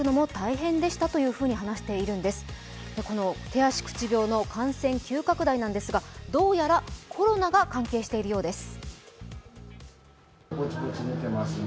手足口病の感染急拡大なんですがどうやらコロナが関係しているようです。